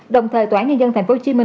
đồng thời tòa án nhân dân tp hcm